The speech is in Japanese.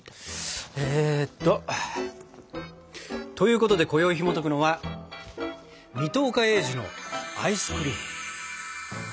えっと。ということでこよいひもとくのは「水戸岡鋭治のアイスクリーム」。